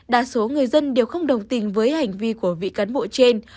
đa số người dân đều không đồng tình với hành vi của vị cán bộ trên